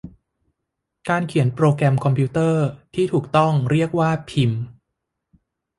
การเขียนโปรแกรมคอมพิวเตอร์ ที่ถูกต้องเรียกว่าพิมพ์